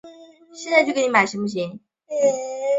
元龙寺乡是中国陕西省延安市宝塔区下辖的一个乡。